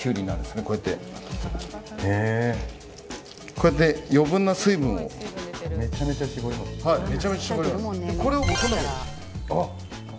こうやって余分な水分を。めちゃめちゃ絞りますね。